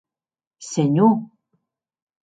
Senhor!